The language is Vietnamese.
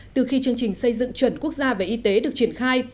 từ khi chương trình xây dựng chuẩn quốc gia về y tế được triển khai